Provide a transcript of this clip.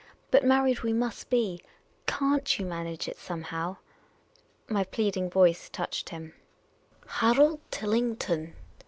But married we must be. Can't you manage it somehow ?" My pleading voice touched him. " Harold Tillington